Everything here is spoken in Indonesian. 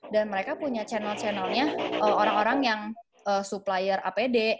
dan mereka punya channel channelnya orang orang yang supplier apd